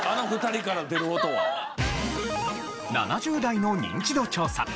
７０代のニンチド調査。